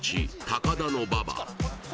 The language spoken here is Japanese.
高田馬場